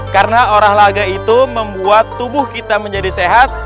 karena olahraga itu membuat tubuh kita menjadi sehat